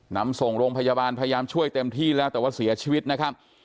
นำส่งโรงพยาบาลพยายามช่วยเต็มที่แล้วแต่ว่าเสียชีวิตนะครับ